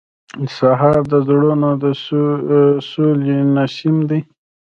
سهار د زړونو د سولې نسیم دی.